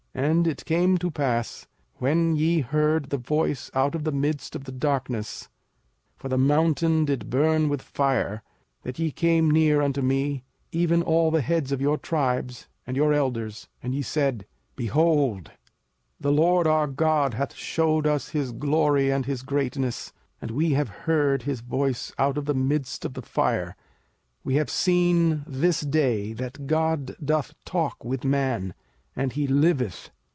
05:005:023 And it came to pass, when ye heard the voice out of the midst of the darkness, (for the mountain did burn with fire,) that ye came near unto me, even all the heads of your tribes, and your elders; 05:005:024 And ye said, Behold, the LORD our God hath shewed us his glory and his greatness, and we have heard his voice out of the midst of the fire: we have seen this day that God doth talk with man, and he liveth.